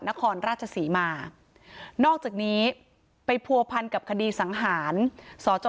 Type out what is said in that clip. นครราชศรีมานอกจากนี้ไปผัวพันกับคดีสังหารสจ